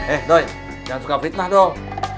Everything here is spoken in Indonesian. eh dok jangan suka fitnah dong